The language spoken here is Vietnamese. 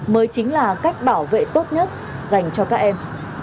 mới chính là cách bảo vệ tốt nhất dành cho các em